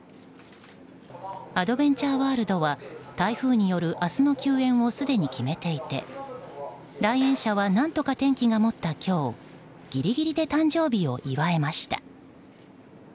アドベンチャーワールドは台風による明日の休園をすでに決めていて来園者は何とか天気が持った今日ギリギリで誕生日を祝えました。